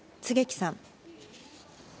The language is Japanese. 槻木さん。